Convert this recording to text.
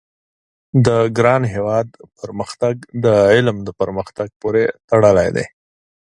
د ګران هېواد پرمختګ د علم د پرمختګ پوري تړلی دی